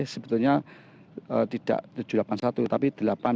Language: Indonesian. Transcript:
sebetulnya tidak tujuh ratus delapan puluh satu tapi delapan ratus dua puluh tujuh